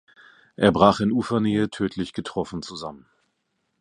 Er brach in Ufernähe tödlich getroffen zusammen.